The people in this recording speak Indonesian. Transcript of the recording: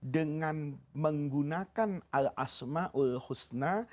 dengan menggunakan al asma'ul husna